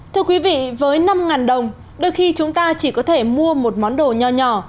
thưa quý vị với năm đồng đôi khi chúng ta chỉ có thể mua một món đồ nhỏ nhỏ